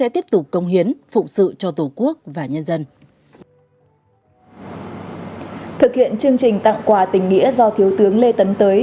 thực hiện chương trình tặng quà tình nghĩa do thiếu tướng lê tấn tới